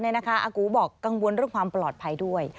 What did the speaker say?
อากูบอกกังวลเรื่องความปลอดภัยด้วย